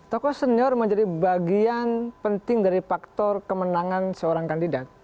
tokoh senior menjadi bagian penting dari faktor kemenangan seorang kandidat